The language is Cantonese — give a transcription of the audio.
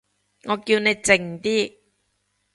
我叫你靜啲